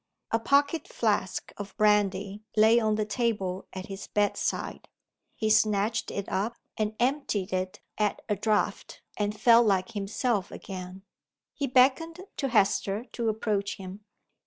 A pocket flask of brandy lay on the table at his bedside. He snatched it up, and emptied it at a draught and felt like himself again. He beckoned to Hester to approach him.